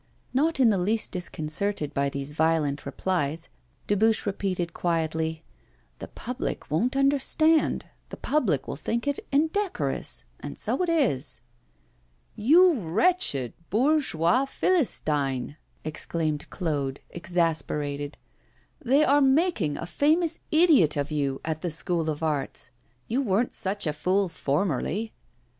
Not in the least disconcerted by these violent replies, Dubuche repeated quietly: 'The public won't understand the public will think it indecorous and so it is!' 'You wretched bourgeois philistine!' exclaimed Claude, exasperated. 'They are making a famous idiot of you at the School of Arts. You weren't such a fool formerly.